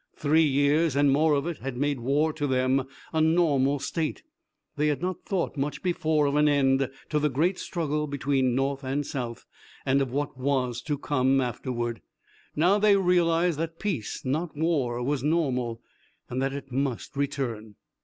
Three years and more of it had made war to them a normal state. They had not thought much before of an end to the great struggle between North and South, and of what was to come after. Now they realized that peace, not war, was normal, and that it must return.